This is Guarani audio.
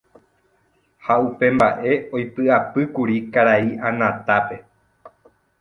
ha upe mba'e oipy'apýkuri karai Anatápe.